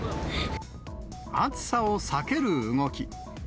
暑さを避ける動き。